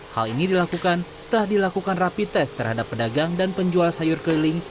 hal ini dilakukan setelah dilakukan rapi tes terhadap pedagang dan penjual sayur keliling